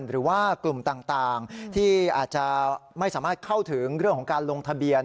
หรือว่ากลุ่มต่างที่อาจจะไม่สามารถเข้าถึงเรื่องของการลงทะเบียน